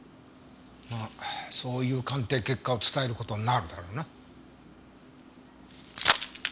まあそういう鑑定結果を伝える事になるだろうな。